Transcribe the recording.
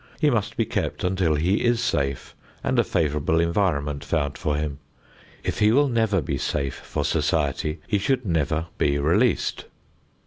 He must be kept until he is safe and a favorable environment found for him. If he will never be safe for society, he should never be released.